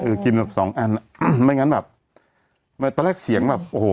เออกินแบบสองอันไม่งั้นแบบตอนแรกเสียงแบบโอ้โห